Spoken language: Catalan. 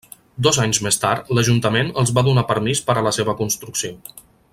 Dos anys més tard l'Ajuntament els va donar permís per a la seva construcció.